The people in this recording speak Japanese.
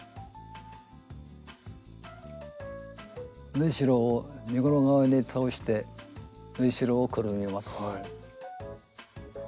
縫いしろを身ごろ側に倒して縫いしろをくるみます。